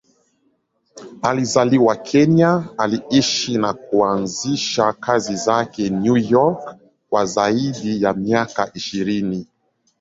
Alizaliwa Kenya, aliishi na kuanzisha kazi zake New York kwa zaidi ya miaka ishirini.